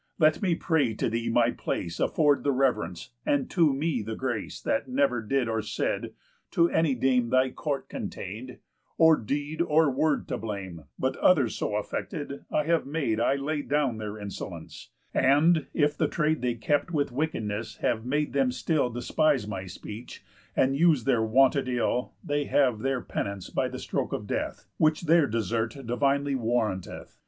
Let me pray thee to my place Afford the rev'rence, and to me the grace; That never did or said, to any dame Thy court contain'd, or deed, or word to blame; But others so affected I have made I lay down their insolence; and, if the trade They kept with wickedness have made them still Despise my speech, and use their wonted ill, They have their penance by the stroke of death, Which their desert divinely warranteth.